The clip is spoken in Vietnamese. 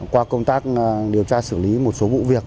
qua công tác điều tra xử lý một số vụ việc